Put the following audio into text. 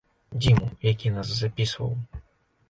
Дзіму, які нас запісваў.